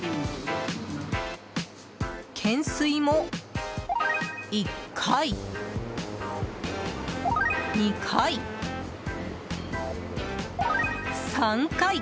懸垂も１回、２回、３回。